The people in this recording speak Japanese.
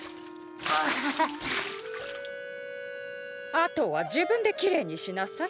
あとは自分でキレイにしなさい。